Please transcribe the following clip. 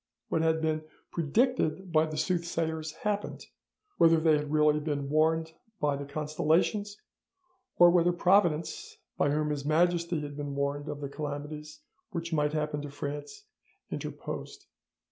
What had been predicted by the soothsayers happened, whether they had really been warned by the constellations, or whether Providence by whom His Majesty had been warned of the calamities which might happen to France interposed.